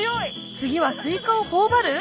次はスイカを頬張る？